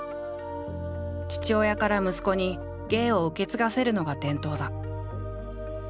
父親から息子に芸を受け継がせるのが伝統だ。